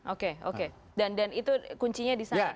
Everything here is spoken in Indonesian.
oke oke dan itu kuncinya di sana